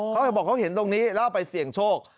เขาบอกเขาเห็นตรงนี้แล้วเอาไปเสี่ยงโชค